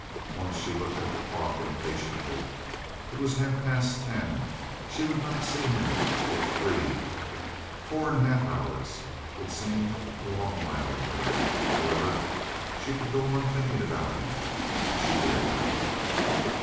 Once she looked at the clock impatiently. It was half past ten. She would not see him till three four and a half hours. It seemed a long while to her. However, she could go on thinking about him. She did.